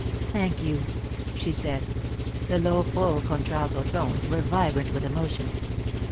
"Thank you," she said. The low, full contralto tones were vibrant with emotion.